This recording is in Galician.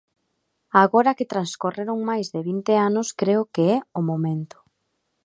Agora que transcorreron máis de vinte anos creo que é o momento.